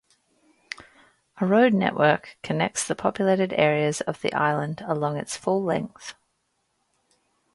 A road network connects the populated areas of the island, along its full length.